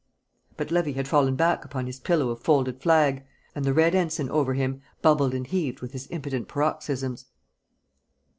But Levy had fallen back upon his pillow of folded flag, and the Red Ensign over him bubbled and heaved with his impotent paroxysms.